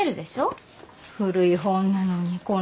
古い本なのにこんなもの。